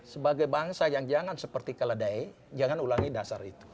sebagai bangsa yang jangan seperti keledai jangan ulangi dasar itu